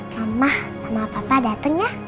mama sama papa dateng ya